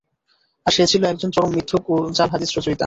আর সে ছিল একজন চরম মিথ্যুক ও জাল হাদীস রচয়িতা।